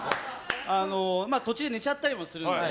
途中、寝ちゃったりもするので。